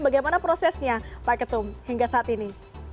bagaimana prosesnya pak ketum hingga saat ini